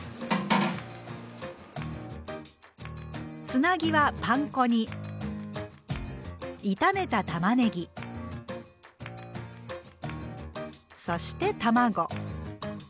つなぎはパン粉に炒めたたまねぎそして卵。